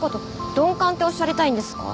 鈍感っておっしゃりたいんですか？